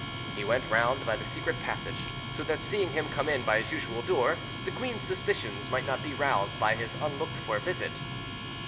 he went round by the secret passage, so that seeing him come in by his usual door the queen's suspicions might not be roused by his unlooked for visit.